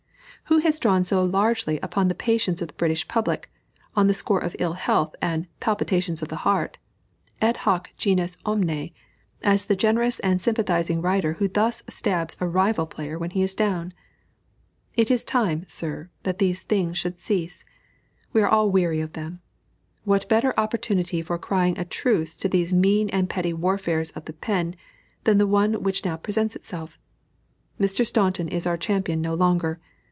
Who has drawn so largely upon the patience of the British public, on the score of ill health and "palpitations of the heart," et hoc genus omne, as the generous and sympathizing writer who thus stabs a rival player when he is down? It is time, sir, that these things should cease. We are all weary of them. What better opportunity for crying a truce to these mean and petty warfares of the pen than the one which now presents itself? Mr. Staunton is our champion no longer.